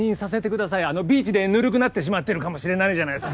ビーチでぬるくなってしまってるかもしれないじゃないですか。